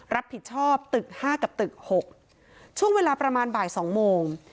รับผิดชอบตึกห้ากับตึก๖ช่วงเวลาประมาณบ่าย๒โมง